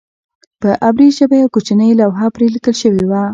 په عبري ژبه یوه کوچنۍ لوحه پرې لیکل شوې وه.